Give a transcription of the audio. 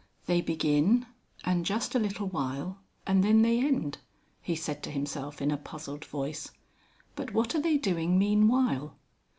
"They begin, and just a little while and then they end," he said to himself in a puzzled voice. "But what are they doing meanwhile?"